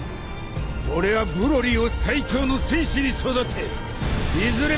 俺はブロリーを最強の戦士に育ていずれ